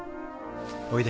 おいで。